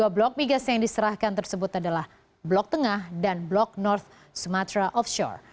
dua blok migas yang diserahkan tersebut adalah blok tengah dan blok north sumatera offshore